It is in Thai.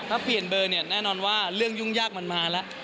ถ้าเปลี่ยนเบอร์เนี่ยแน่นอนว่าเรื่องยุ่งยากมันมาแล้ว